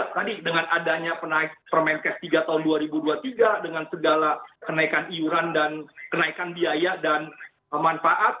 tadi dengan adanya permenkes tiga tahun dua ribu dua puluh tiga dengan segala kenaikan iuran dan kenaikan biaya dan manfaat